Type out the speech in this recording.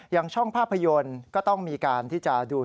อย่างช่องภาพยนตร์ก็ต้องมีการที่จะดู